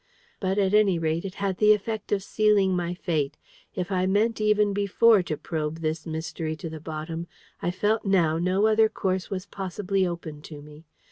But, at any rate, it had the effect of sealing my fate. If I meant even before to probe this mystery to the bottom, I felt now no other course was possibly open to me.